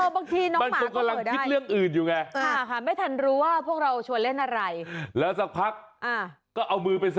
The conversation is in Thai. เพราะว่ามันได้สติกกลับมา